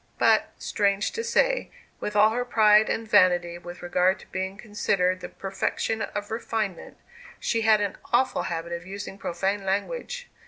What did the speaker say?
But, strange to say, with all her pride and vanity with regard to being considered the perfection of refinement, she had an awful habit of using profane language!